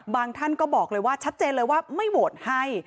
ท่านก็บอกเลยว่าชัดเจนเลยว่าไม่โหวตให้